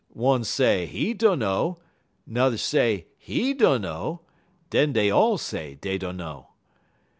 One say he dunno, n'er say he dunno, den dey all say dey dunno.